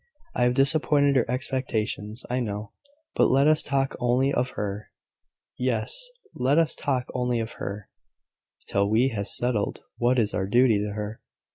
I have disappointed her expectations, I know. But let us talk only of her." "Yes: let us talk only of her, till we have settled what is our duty to her.